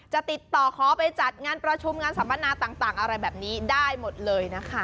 จะติดต่อขอไปจัดงานประชุมงานสัมมนาต่างอะไรแบบนี้ได้หมดเลยนะคะ